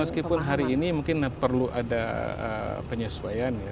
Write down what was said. meskipun hari ini mungkin perlu ada penyesuaian ya